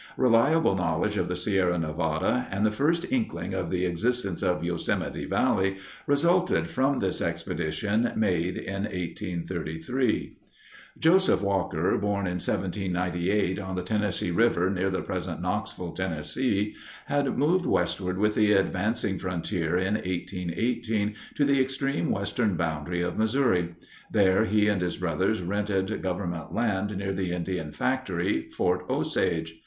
Reliable knowledge of the Sierra Nevada and the first inkling of the existence of Yosemite Valley resulted from this expedition, made in 1833. Joseph Walker, born in 1798 on the Tennessee River near the present Knoxville, Tennessee, had moved westward with the advancing frontier in 1818 to the extreme western boundary of Missouri. There he and his brothers rented government land near the Indian Factory, Fort Osage.